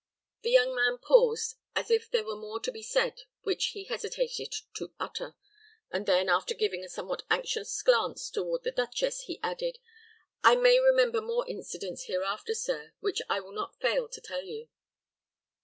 The young man paused, as if there were more to be said which he hesitated to utter; and then, after giving a somewhat anxious glance toward the duchess, he added, "I may remember more incidents hereafter, sir, which I will not fail to tell you."